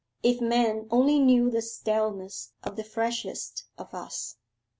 If men only knew the staleness of the freshest of us!